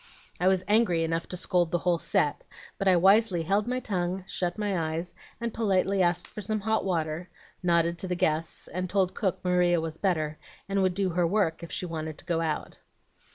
"I was angry enough to scold the whole set, but I wisely held my tongue, shut my eyes, and politely asked for some hot water, nodded to the guests, and told cook Maria was better, and would do her work if she wanted to go out.